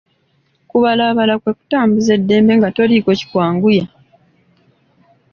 Okubaalaabaala kwe kutambuza eddembe nga toliiko kikwanguya.